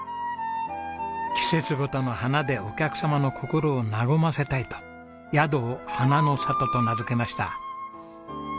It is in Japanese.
季節ごとの花でお客様の心を和ませたいと宿を「花の里」と名付けました。